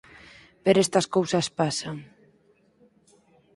Pero estas cousas pasan.